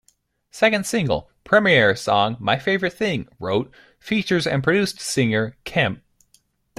Second single, Premiere Song "My Favorite Thing" wrote, features and produced singer, Kem.